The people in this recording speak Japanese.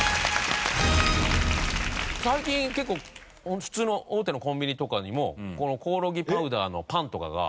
最近結構普通の大手のコンビニとかにもコオロギパウダーのパンとかが。